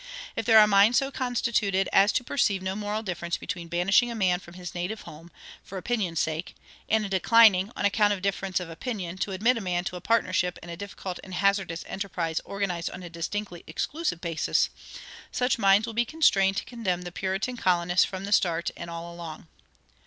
If there are minds so constituted as to perceive no moral difference between banishing a man from his native home, for opinion's sake, and declining, on account of difference of opinion, to admit a man to partnership in a difficult and hazardous enterprise organized on a distinctly exclusive basis, such minds will be constrained to condemn the Puritan colonists from the start and all along.